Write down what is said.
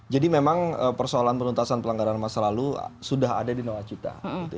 jadi memang persoalan penuntasan pelanggaran masa lalu sudah ada di nawacita